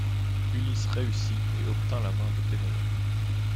Ulysse réussit et obtint la main de Pénélope.